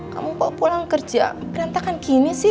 kamu bawa pulang kerja berantakan gini sih